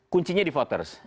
kuncinya di voters